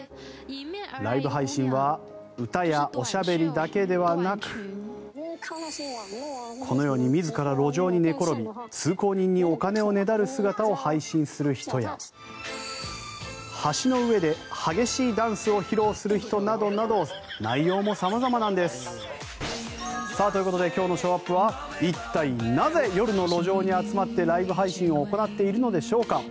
ライブ配信は歌やおしゃべりだけではなくこのように自ら路上に寝ころび通行人にねだる姿を配信する人や橋の上で激しいダンスを披露する人などなど内容も様々なんです。ということで今日のショーアップは一体なぜ夜の路上に集まってライブ配信を行っているのでしょうか。